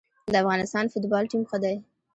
د افغانستان فوتبال ټیم ښه دی